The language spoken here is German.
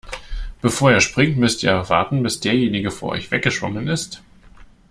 Bevor ihr springt, müsst ihr warten, bis derjenige vor euch weggeschwommen ist.